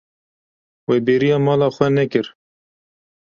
Wê bêriya mala xwe nekir.